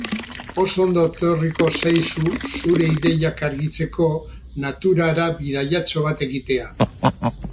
Oso ondo etorriko zaizu zure ideiak argitzeko naturara bidaiatxo bat egitea.